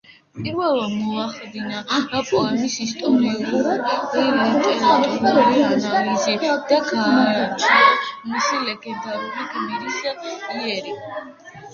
პირველმა მოახდინა პოემის ისტორიულ-ლიტერატურული ანალიზი და გაარჩია მისი ლეგენდარული გმირის იერი.